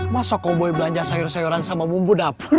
masa kau boleh belanja sayur sayuran sama bumbu dapu